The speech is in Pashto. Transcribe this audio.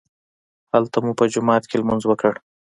هلته مو په جومات کې لمونځ وکړ.